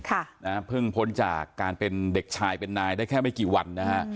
ค่ะนะฮะเพิ่งพ้นจากการเป็นเด็กชายเป็นนายได้แค่ไม่กี่วันนะฮะ